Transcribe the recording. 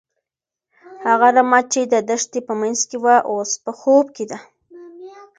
هغه رمه چې د دښتې په منځ کې وه، اوس په خوب کې ده.